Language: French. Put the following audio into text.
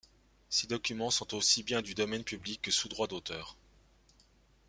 Ces documents sont aussi bien du domaine public que sous droit d'auteur.